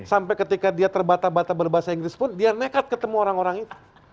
sampai ketika dia terbata bata berbahasa inggris pun dia nekat ketemu orang orang itu